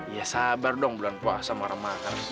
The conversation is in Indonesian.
ya sabar dong bulan puasa marah marah